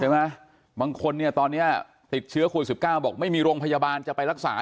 ใช่ไหมบางคนเนี่ยตอนเนี้ยติดเชื้อคลุ่นสิบเก้าบอกไม่มีโรงพยาบาลจะไปรักษา